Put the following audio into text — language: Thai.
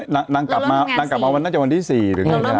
นางกลับมาวันน่าจะวันที่๔หรือไงนะ